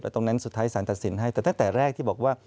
ตรงนั้นสุดท้ายสารตัดสินให้แต่ตั้งแต่แรกที่บอกว่า